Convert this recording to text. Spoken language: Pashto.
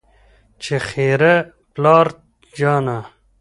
چې خېره پلار جانه